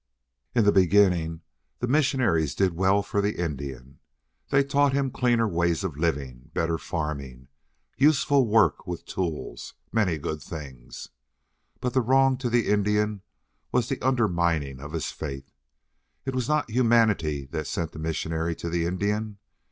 In the beginning the missionaries did well for the Indian. They taught him cleaner ways of living, better farming, useful work with tools many good things. But the wrong to the Indian was the undermining of his faith. It was not humanity that sent the missionary to the Indian.